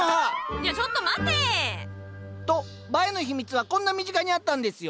いやちょっと待て！と映えの秘密はこんな身近にあったんですよ。